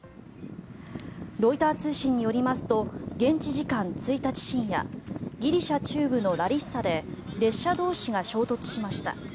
ロイター通信によりますと現地時間１日深夜ギリシャ中部のラリッサで列車同士が衝突しました。